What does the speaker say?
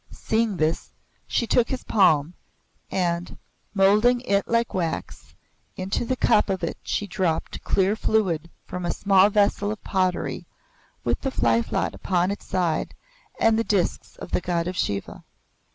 Seeing this, she took his palm and, molding it like wax, into the cup of it she dropped clear fluid from a small vessel of pottery with the fylfot upon its side and the disks of the god Shiva.